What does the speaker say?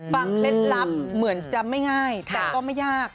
เคล็ดลับเหมือนจะไม่ง่ายแต่ก็ไม่ยาก